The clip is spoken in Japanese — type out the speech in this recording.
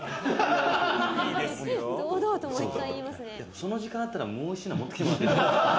その時間あったらもうひと品持ってきてもらって。